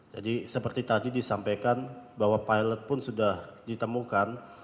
jadi seperti tadi disampaikan bahwa pilot pun sudah ditemukan